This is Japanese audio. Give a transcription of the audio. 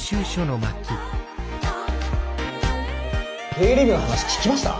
経理部の話聞きました？